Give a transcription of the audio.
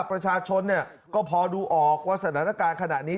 ประชาชนก็พอดูออกว่าสถานการณ์ขณะนี้